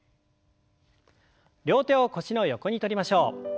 両手を腰の横にとりましょう。